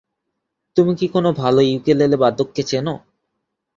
তুমি কি কোনো ভালো ইউকুলেলে বাদককে চেনো?